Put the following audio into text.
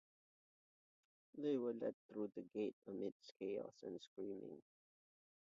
They were led through the gate amidst chaos and screaming.